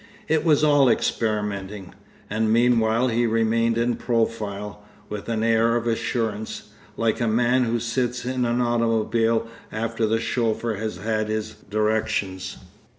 It was all experimenting. And meanwhile he remained in profile, with an air of assurance—like a man who sits in an automobile after the chauffeur has had his directions.